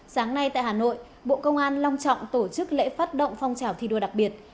sáng nay tại hà nội bộ công an long trọng tổ chức lễ phát động phong trào thi đua đặc biệt